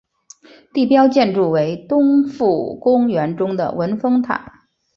地标建筑为东皋公园中的文峰塔。